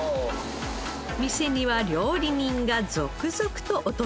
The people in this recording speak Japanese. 店には料理人が続々と訪れます。